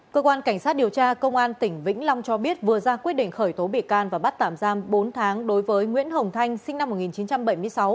cơ quan cảnh sát điều tra công an tỉnh vĩnh long cho biết vừa ra quyết định khởi tố bị can và bắt tạm giam bốn tháng đối với nguyễn hồng thanh sinh năm một nghìn chín trăm bảy mươi sáu